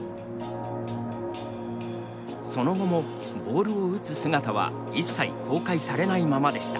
その後もボールを打つ姿は一切公開されないままでした。